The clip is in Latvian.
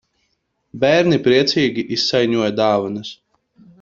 Bērni priecīgi izsaiņoja dāvanas.